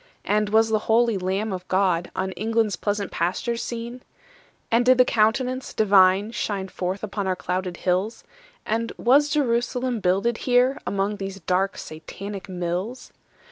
And was the holy Lamb of God On England's pleasant pastures seen? And did the Countenance Divine Shine forth upon our clouded hills? And was Jerusalem builded here Among these dark Satanic mills?